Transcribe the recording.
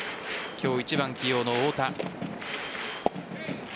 今日１番起用の太田。